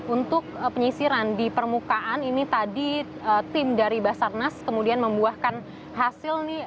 untuk penyisiran di permukaan ini tadi tim dari basarnas kemudian membuahkan hasil nih